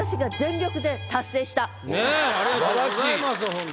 ありがとうございますほんとに。